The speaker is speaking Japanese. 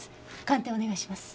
鑑定をお願いします。